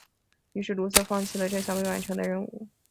于是卢梭放弃了这项尚未完成的任务。